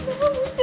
putus hubungan dad